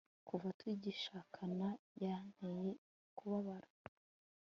kuva tugishakana yanteye kubabara